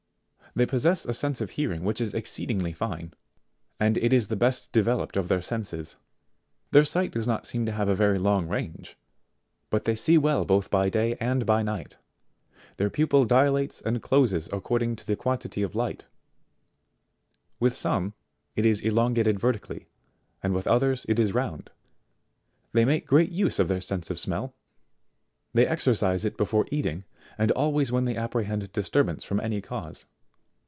They possess a sense of hearing which is exceedingly fine, and it is the best developed of their senses. Their sight does not seem to have a very long range, but they see well both by day and by night ; their pupil dilates and closes according to the quantity of light ; with some, it is elongated ver tically, and with others it is round. They make great use of their sense of smell ; they exercise it before eating, and always when they apprehend disturbance from any cause.